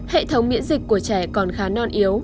hệ thống miễn dịch của trẻ còn khá non yếu